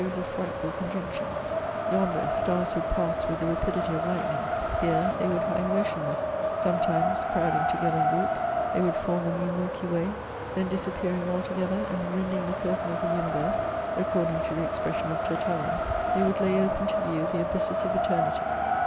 c 18 MEMOIRS OF frightful coDJ unctions : yonder, stars would pass with the rapidity of lightning; here, they would hang motionless: sometimes, crowding together in groups, they would form a new mjky way ; then, disappearing all together, and rending the curtain of the universe, according to the expression of I Tertullian, they would lay open to view the abysses of eternity."